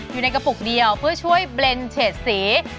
อยู่ในกระปุกเดียวเพื่อช่วยเบลนด์เฉดสี